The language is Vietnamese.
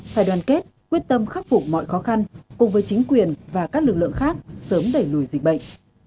phải đoàn kết quyết tâm khắc phục mọi khó khăn cùng với chính quyền và các lực lượng khác sớm đẩy lùi dịch bệnh